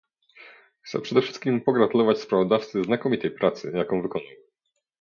Chcę przede wszystkim pogratulować sprawozdawcy znakomitej pracy, jaką wykonał